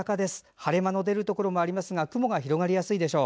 晴れ間の出るところもありますが雲が広がりやすいでしょう。